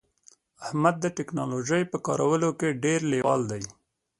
احمد د ټکنالوژی په کارولو کې ډیر لیوال دی